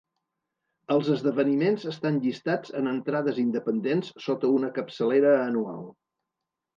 Els esdeveniments estan llistats en entrades independents sota una capçalera anual.